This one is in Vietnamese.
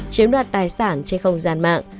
chiếm đoạt tài sản trên không gian mạng